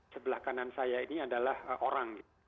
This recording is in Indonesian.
sebelah kanan saya ini adalah orang